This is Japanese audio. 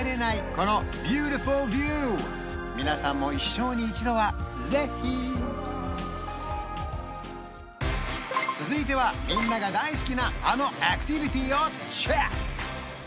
このビューティフルビュー皆さんも一生に一度はぜひ続いてはみんなが大好きなあのアクティビティをチェック！